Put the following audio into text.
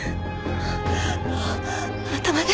あなたまで。